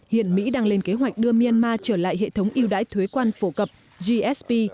hiện mỹ đang lên kế hoạch đưa myanmar trở lại hệ thống yêu đáy thuế quan phổ cập gsp